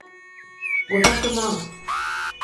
五百万